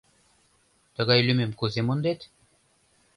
— Тыгай лӱмым кузе мондет?